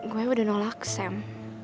gue udah nolak sam